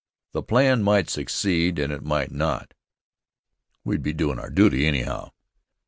The plan might succeed and it might not. We'd be doin' our duty anyhow.